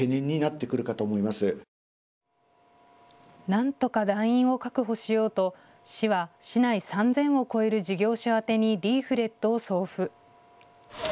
なんとか団員を確保しようと市は市内３０００を超える事業所宛てにリーフレットを送付。